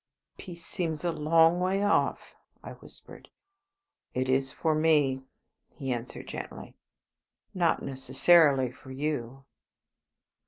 "Peace seems a long way off," I whispered. "It is for me," he answered, gently; "not necessarily for you."